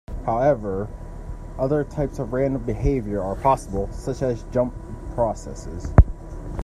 However, other types of random behaviour are possible, such as jump processes.